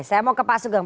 saya mau ke pak sugeng